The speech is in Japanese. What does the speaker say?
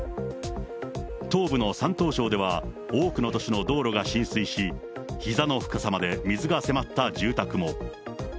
東部の山東省では多くの都市の道路が浸水し、ひざの深さまで水が迫った住宅も。